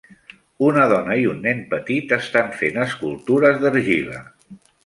Una dona i un nen petit estan fent escultures d'argila.